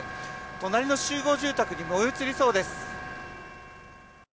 隣の集合住宅に燃え移りそうです。